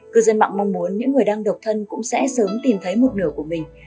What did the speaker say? cư dân mạng mong muốn những người đang độc thân cũng sẽ sớm tìm thấy một nửa của mình